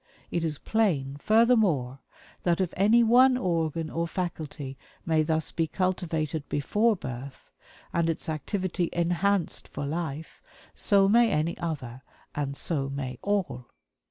It is plain, furthermore, that if any one organ or faculty may thus be cultivated before birth, and its activity enhanced for life, so may any other and so may all.